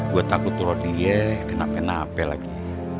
gue takut rodie kena penape lagi